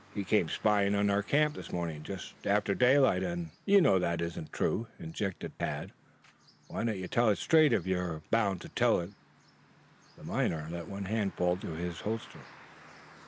He came spying on our camp this morning just after daylight, and " "You know that isn't true," interjected Tad. "Why don't you tell it straight if you are bound to tell it?" The miner let one hand fall to his holster.